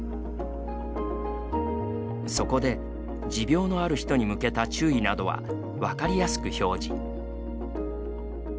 そこで持病のある人に向けた注意などは、分かりやすく表示。